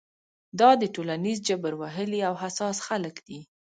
دا د ټولنیز جبر وهلي او حساس خلک دي.